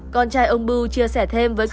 con trai ông bưu chia sẻ thêm với các